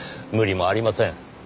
無理もありません。